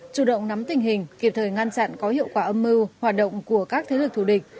chủ động nắm tình hình kịp thời ngăn chặn có hiệu quả âm mưu hoạt động của các thế lực thủ địch